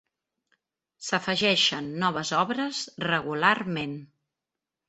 S'afegeixen noves obres regularment.